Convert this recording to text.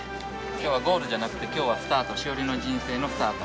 きょうはゴールじゃなくて、きょうはスタート、志織の人生のスタート。